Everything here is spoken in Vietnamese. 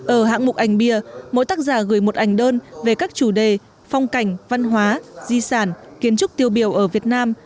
ở hạng mục ảnh bia mỗi tác giả gửi một ảnh đơn về các chủ đề phong cảnh văn hóa di sản kiến trúc tiêu biểu ở việt nam